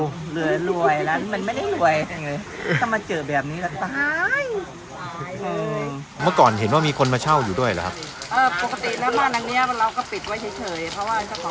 รวยรวยแล้วมันไม่ได้รวยถ้ามาเจอแบบนี้แหละตายตายเออ